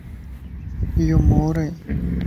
ايو مور ائي